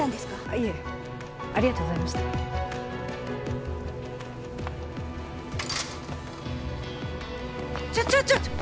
いえありがとうございましたちょちょちょ！